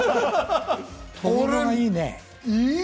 これはいいね。